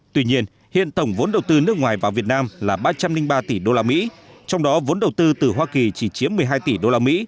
tuy nhiên hiện tổng vốn đầu tư nước ngoài vào việt nam là ba trăm linh ba tỷ usd trong đó vốn đầu tư từ hoa kỳ chỉ chiếm một mươi hai tỷ usd